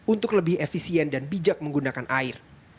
untuk lebih efisien dan bijak menggunakan air